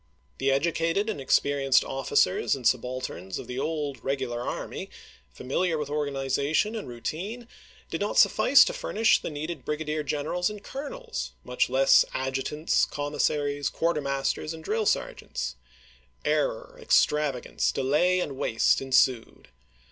The edu cated and experienced officers and subalterns of the old regular army, familiar with organization and routine, did not suffice to furnish the needed brigadier generals and colonels, much less adju tants, commissaries, quartermasters, and drill ser geants. Error, extravagance, delay, and waste ensued.